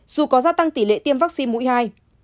dù có gia tăng tỷ lệ tiêm vaccine mũi hai